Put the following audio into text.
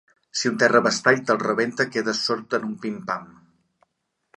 Si un terrabastall te'l rebenta quedes sord en un pimpam.